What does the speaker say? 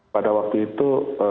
pada waktu itu